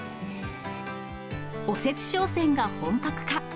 おせち商戦が本格化。